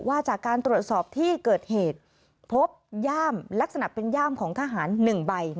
จากการตรวจสอบที่เกิดเหตุพบย่ามลักษณะเป็นย่ามของทหาร๑ใบ